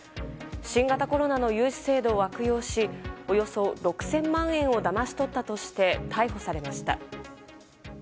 新型コロナの融資制度を悪用しおよそ６０００万円をだまし取ったとして逮捕されました。